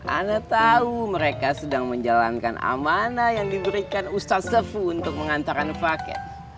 ana tahu mereka sedang menjalankan amanah yang diberikan ustaz sefu untuk mengantarkan fake